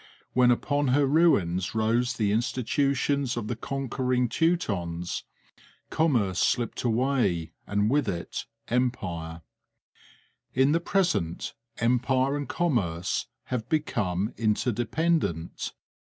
When upon her ruins rose the institutions of the conquering Teutons, commerce slipped away, and with it empire. In the present, empire and commerce have become interdependent.